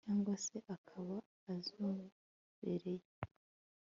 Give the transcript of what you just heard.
cyangwa se akaba azobereye